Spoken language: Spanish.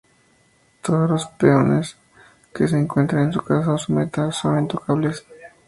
Todos los peones que se encuentren en su casa o su meta son intocables.